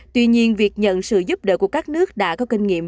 tuy nhiên việc nhận sự giúp đỡ của các nước đã có kinh nghiệm